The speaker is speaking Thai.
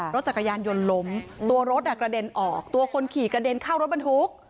รถจักรยานยนต์ล้มตัวรถกระเด็นออกตัวคนขี่กระเด็นเข้ารถบรรทุก